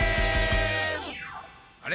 あれ？